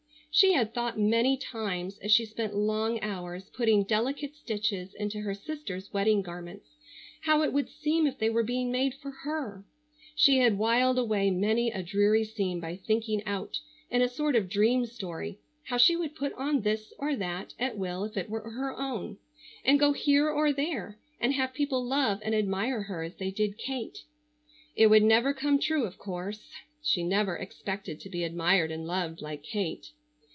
She had thought many times, as she spent long hours putting delicate stitches into her sister's wedding garments, how it would seem if they were being made for her. She had whiled away many a dreary seam by thinking out, in a sort of dream story, how she would put on this or that at will if it were her own, and go here or there, and have people love and admire her as they did Kate. It would never come true, of course. She never expected to be admired and loved like Kate.